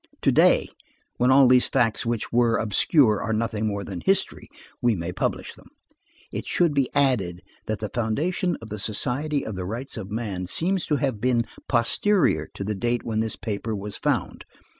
To day, when all these facts which were obscure are nothing more than history, we may publish them. It should be added, that the foundation of the Society of the Rights of Man seems to have been posterior to the date when this paper was found.